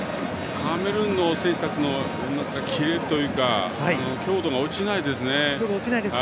カメルーンの選手たちのキレというか強度が落ちないですね。